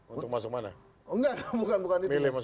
untuk masuk mana